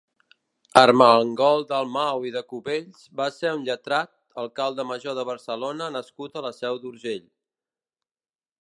Armengol Dalmau i de Cubells va ser un lletrat, alcalde major de Barcelona nascut a la Seu d'Urgell.